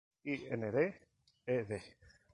Ind., ed.